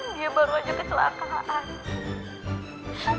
dia baru aja kecelakaan